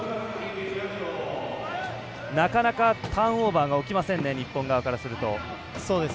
なかなか、ターンオーバーが起きませんね、日本側からすると。